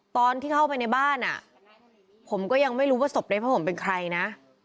ตอนที่เข้าไปในบ้านผมก็ยังไม่รู้ว่าศพในผ้าห่มเป็นใครนะ